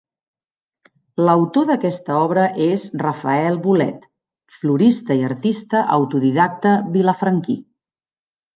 L'autor d'aquesta obra és Rafael Bolet, florista i artista autodidacte vilafranquí.